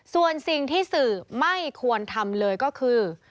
ส่วนสิ่งที่สื่อไม่ควรทำเลยก็คือ